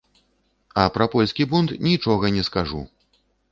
А пра польскі бунт нічога не скажу!